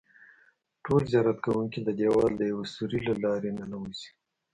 ټول زیارت کوونکي د دیوال د یوه سوري له لارې ننوځي.